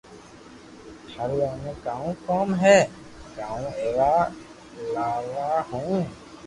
ٿارو ايئي ڪاؤ ڪوم ھي ڪاو ليوا آيا ھون